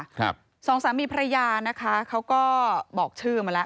สองสามีภรรยานะคะเขาก็บอกชื่อมาแล้ว